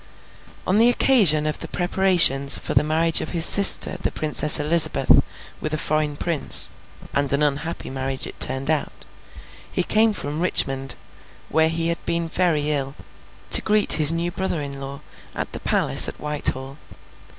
On the occasion of the preparations for the marriage of his sister the Princess Elizabeth with a foreign prince (and an unhappy marriage it turned out), he came from Richmond, where he had been very ill, to greet his new brother in law, at the palace at Whitehall.